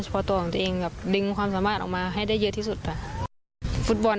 เจอกับชิลีนะคะเพื่อลุ้นผ่านเข้าสู่รอบ๑๖ทีมสุดท้าย